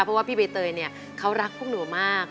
เพราะว่าพี่ใบเตยเนี่ยเขารักพวกหนูมาก